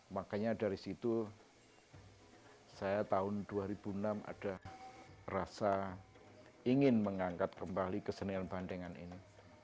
makanya dari situ saya tahun dua ribu enam ada rasa ingin mengangkat kembali kesenian bandengan ini